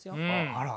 あら。